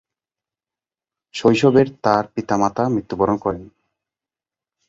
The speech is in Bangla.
শৈশবের তার পিতামাতা মৃত্যুবরণ করেন।